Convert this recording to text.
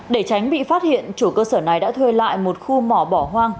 để tránh bị phát hiện chủ cơ sở này đã thuê lại một khu mỏ bỏ hoang